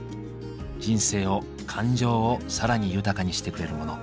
人生を感情を更に豊かにしてくれるモノ。